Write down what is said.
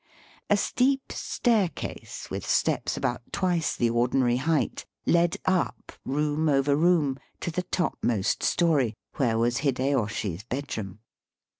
A steep staircase, with steps about twice the ordinary height, led up, room over room, to the topmost story, where was Hideyoshi's bedroom.